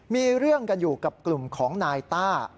มีเรื่องกันอยู่กับกลุ่มของนายต้า